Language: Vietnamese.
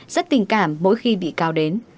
rất tình cảm mỗi khi bị cáo đến